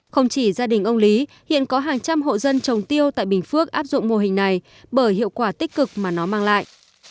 không chỉ gia đình ông lý hiện có hàng trăm hộ dân trồng tiêu tại bình phước áp dụng mô hình này bởi hiệu quả tích cực mà nó mang lại